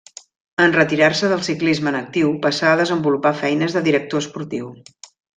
En retirar-se del ciclisme en actiu passà a desenvolupar feines de director esportiu.